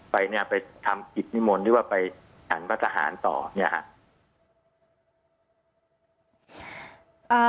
ไปเนี่ยไปทำกิจนิมนต์หรือว่าไปหันพระทหารต่อเนี่ยฮะ